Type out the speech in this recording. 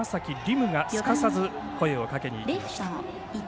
夢がすかさず声をかけにいきました。